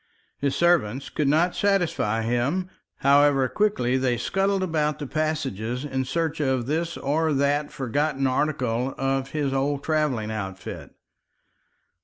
His servants could not satisfy him, however quickly they scuttled about the passages in search of this or that forgotten article of his old travelling outfit.